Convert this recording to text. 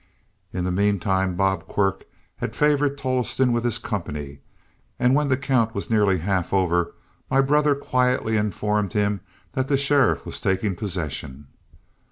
In the mean time Bob Quirk had favored Tolleston with his company, and when the count was nearly half over, my brother quietly informed him that the sheriff was taking possession.